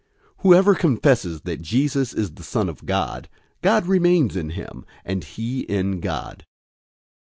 004:015 Whoever confesses that Jesus is the Son of God, God remains in him, and he in God.